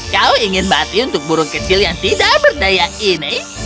kau ingin mati untuk burung kecil yang tidak berdaya ini